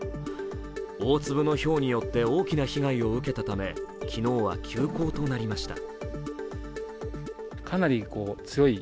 大粒のひょうによって、大きな被害を受けたため昨日は休校となりました。